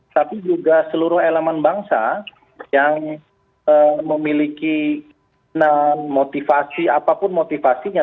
tapi juga seluruh elemen bangsa yang memiliki motivasi apapun motivasinya